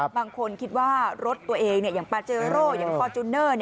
บางคนคิดว่ารถตัวเองอย่างปาเจโร่อย่างฟอร์จูเนอร์